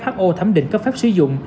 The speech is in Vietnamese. tp hcm thấm định cấp phép sử dụng